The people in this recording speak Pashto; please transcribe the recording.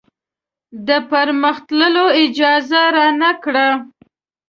د پرمخ تللو اجازه رانه کړه.